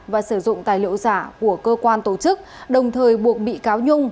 và sử dụng tài liệu giả của cơ quan tổ chức đồng thời buộc bị cáo nhung